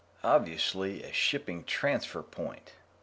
Obviously a shipping transfer point!